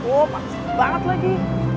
oh pasti banget lagi